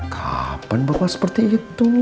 kapan bapak seperti itu